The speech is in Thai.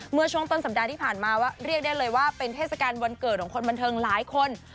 เมื่อช่วงต้นสัปดาห์ที่ผ่านมาว่าเรียกได้เลยว่าเป็นเทศกาลวันเกิดของคนบันเทิงหลายคน